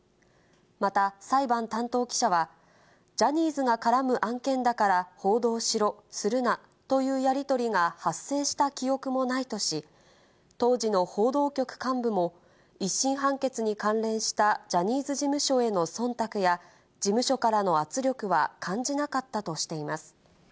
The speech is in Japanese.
また、裁判担当記者は、ジャニーズが絡む案件だから報道しろ、するなというやり取りが発生した記憶もないとし、当時の報道局幹部も、１審判決に関連したジャニーズ事務所へのそんたくや、事務所からの圧力は感じなかったとしています。